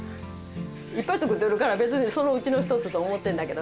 いっぱい造ってるから別にそのうちの１つと思ってるんだけどね